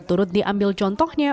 turut diambil contohnya